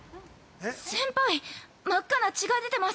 ◆先輩、真っ赤な血が出てます。